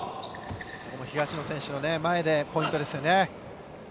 東野選手の前でポイントですよね。